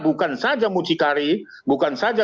bukan saja mucikari bukan saja